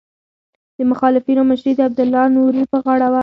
د مخالفینو مشري د عبدالله نوري پر غاړه وه.